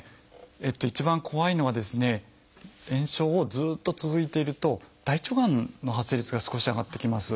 一番怖いのは炎症をずっと続いていると大腸がんの発生率が少し上がってきます。